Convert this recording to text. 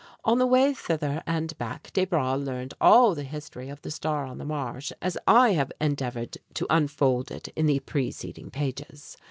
On the way thither and back, Desbra learned all the history of the "Star on the Marsh," as I have endeavored to unfold it in the preceding pages.